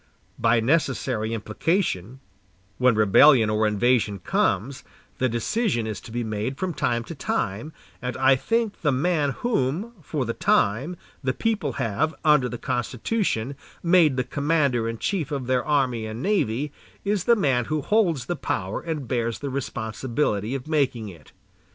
By necessary implication, when rebellion or invasion comes, the decision is to be made from time to time; and I think the man whom, for the time, the people have, under the Constitution, made the commander in chief of their army and navy, is the man who holds the power and bears the responsibility of making it.